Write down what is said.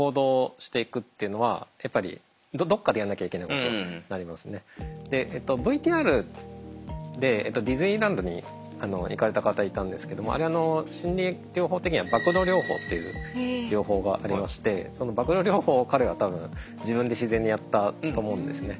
原則として社交不安障害の時はＶＴＲでディズニーランドに行かれた方いたんですけどもあれ心理療法的には曝露療法っていう療法がありましてその曝露療法を彼は多分自分で自然にやったと思うんですね。